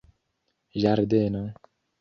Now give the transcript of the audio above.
ĝardeno